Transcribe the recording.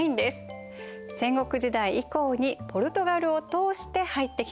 戦国時代以降にポルトガルを通して入ってきたものだといわれています。